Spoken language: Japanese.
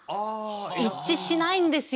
一致しないんですよ